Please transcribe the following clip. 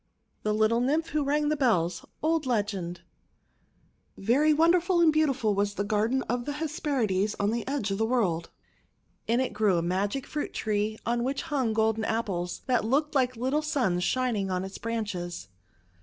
THE LITTLE NYMPH WHO RANG THE BELLS Old Legend VERY wonderful and beautiful was the Garden of the Hesperides on the edge of the world. In it THE LITTLE NYMPH 115 grew a magic fruit tree on which hung Golden Apples that looked like little suns shining on its branches.